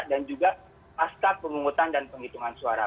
dan juga pas ke pemungutan dan penghitungan suara